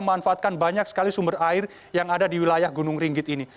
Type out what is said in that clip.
memanfaatkan banyak sekali sumber air yang ada di wilayah gunung ringgit ini